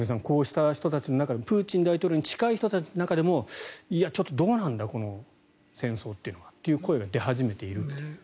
こうした人たちの中でもプーチン大統領に近い人たちの中でもいや、ちょっとどうなんだこの戦争というのはという声が出始めていると。